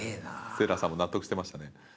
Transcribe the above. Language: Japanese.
セーラさんも納得してましたね。